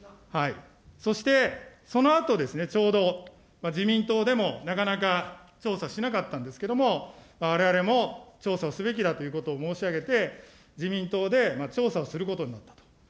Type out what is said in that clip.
そしてそのあとですね、ちょうど自民党でもなかなか調査しなかったんですけれども、われわれも調査をすべきだということを申し上げて、自民党で調査をすることになったと。